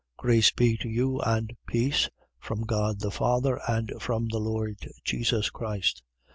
1:2. Grace be to you and peace, from God the Father and from the Lord Jesus Christ.